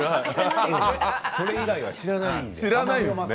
それ以外知らないので。